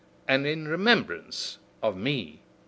And in remembrance of me!"